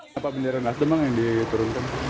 kenapa bendera nasdem yang diturunkan